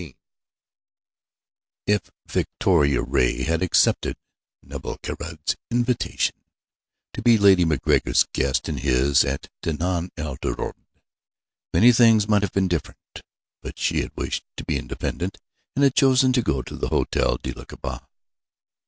XVII If Victoria Ray had accepted Nevill Caird's invitation to be Lady MacGregor's guest and his, at Djenan el Djouad, many things might have been different. But she had wished to be independent, and had chosen to go to the Hotel de la Kasbah.